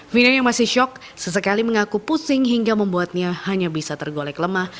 vina yang masih syok sesekali mengaku pusing hingga membuatnya hanya bisa tergolek lemah